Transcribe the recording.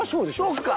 そうか。